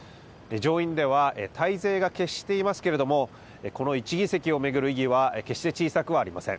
上院では大勢が決していますけれどもこの１議席を巡る意義は決して小さくありません。